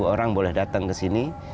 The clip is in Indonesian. orang boleh datang ke sini